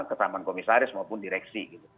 ketaman komisaris maupun direksi gitu